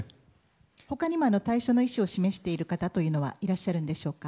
他にも退所の意思を示している方はいらっしゃるんでしょうか。